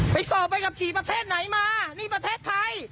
สอบใบขับขี่ประเทศไหนมานี่ประเทศไทย